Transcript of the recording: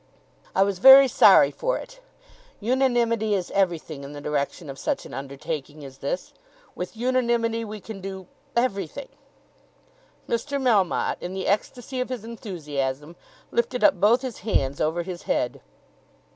"I was very sorry for it. Unanimity is everything in the direction of such an undertaking as this. With unanimity we can do everything." Mr. Melmotte in the ecstasy of his enthusiasm lifted up both his hands over his head.